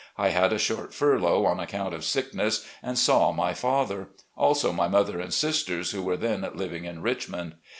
I had a short furlough on accoimt of sickness, and saw my father; also my mother and sisters, who were then living in Richmond.